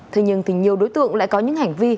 thế nhưng thì nhiều đối tượng lại có những hành vi